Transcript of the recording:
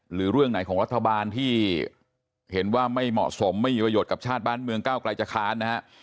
หรือเรื่องไหนของรัฐบาลที่เห็นว่าไม่เหมาะสมไม่มีประโยชน์กับชาติบ้านเมืองก้าวไกลจะค้านนะฮะ